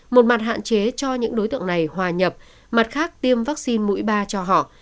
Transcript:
một mặt hạn chế cho những đối tượng này hòa nhập mặt khác tiêm vaccine mũi ba cho họ